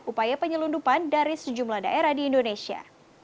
upaya penyelundupan dari sejumlah daerah di indonesia